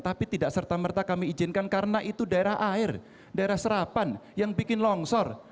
tapi tidak serta merta kami izinkan karena itu daerah air daerah serapan yang bikin longsor